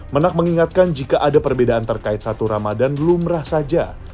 menak mengingatkan jika ada perbedaan terkait satu ramadan lumrah saja